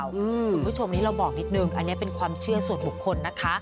คุณผู้ชมนี้เราบอกนิดนึงอันนี้เป็นความเชื่อส่วนบุคคลนะคะ